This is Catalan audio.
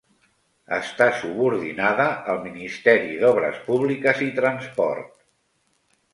Està subordinada al ministeri d'Obres Públiques i Transport.